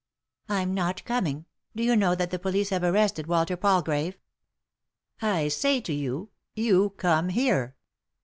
" I'm not coming. Do you know that the police have arrested Walter Palgrave ?" "I say to you, you come here."